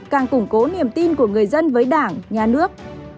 càng củng cố niềm tin của người dân với đảng nhà nước